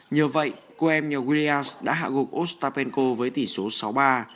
nhờ vậy cô em nhà guglia đã hạ gục ostapenko với tỷ số sáu ba